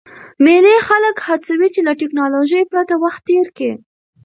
مېلې خلک هڅوي، چي له ټکنالوژۍ پرته وخت تېر کي.